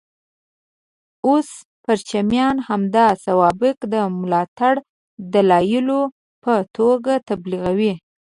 اوس پرچمیان همدا سوابق د ملاتړ دلایلو په توګه تبلیغوي.